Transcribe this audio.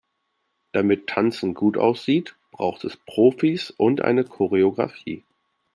Damit Tanzen gut aussieht, braucht es Profis und eine Choreografie.